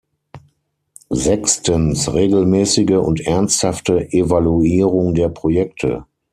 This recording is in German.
Sechstens, regelmäßige und ernsthafte Evaluierung der Projekte.